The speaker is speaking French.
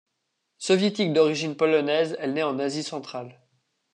Soviétique d'origine polonaise, elle nait en Asie centrale.